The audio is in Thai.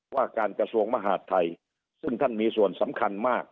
ว่าการกระทรวงมหาดไทยซึ่งท่านมีส่วนสำคัญมาก